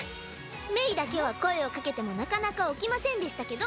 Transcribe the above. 芽衣だけは声をかけてもなかなか起きませんでしたけど。